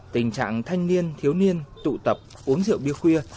tình trạng thanh niên thiếu niên tụ tập uống rượu bia khuya